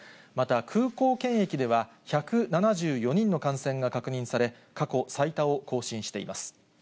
また、空港検疫では、１７４人の感染が確認され、過去最多を更新しています。